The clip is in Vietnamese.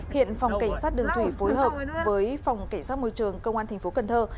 hiện phòng cảnh sát đường thủy phối hợp với phòng cảnh sát môi trường công an tp cần thơ